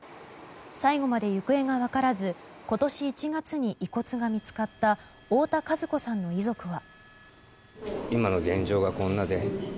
最後まで行方が分からず今年１月に、遺骨が見つかった太田和子さんの遺族は。